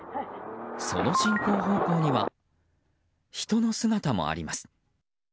その進行方向には人の姿もあります。